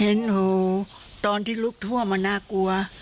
เห็นโอ้โฮตอนที่ลุกทั่วมันน่ากลัว